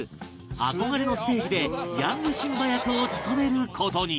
憧れのステージでヤングシンバ役を務める事に